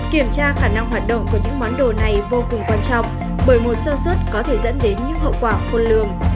kiểm tra khả năng hoạt động của những món đồ này vô cùng quan trọng bởi mùa sơ xuất có thể dẫn đến những hậu quả khôn lường